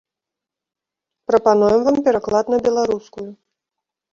Прапануем вам пераклад на беларускую.